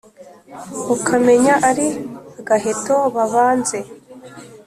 ukamenya ari agaheto babanze !